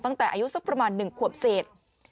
ตั้งแต่อายุสักประมาณ๑ขวบเศษ